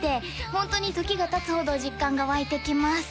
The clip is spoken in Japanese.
ホントに時がたつほど実感が湧いてきます